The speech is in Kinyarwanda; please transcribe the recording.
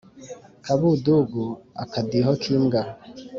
Kabudugu.-Akadiho k'imbwa.